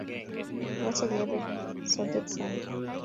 Omache kepe soget sait ata?